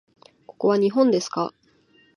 ここは日本ですか？